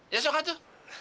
ya sok atuh